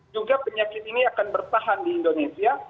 juga penyakit ini akan bertahan di indonesia